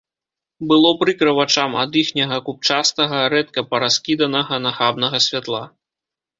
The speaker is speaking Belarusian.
Было прыкра вачам ад іхняга купчастага, рэдка параскіданага, нахабнага святла.